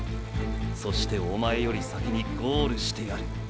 そしておまえより先にゴールしてやる。